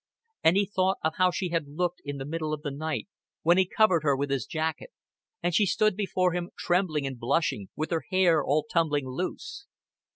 And he thought of how she had looked in the middle of the night when he covered her with his jacket, and she stood before him trembling and blushing, with her hair all tumbling loose.